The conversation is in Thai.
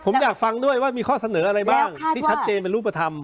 ผมอยากฟังด้วยว่ามีข้อเสนออะไรบ้างที่ชัดเจนเป็นรูปธรรม